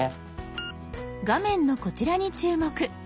画面のこちらに注目！